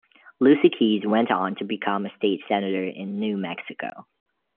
Lucy Keys went on to become a state senator in New Mexico.